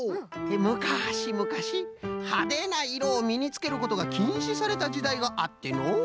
むかしむかしはでないろをみにつけることがきんしされたじだいがあってのう。